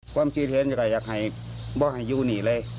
ความคิดเห็นก็อยากให้บอกให้อยู่นี่เลย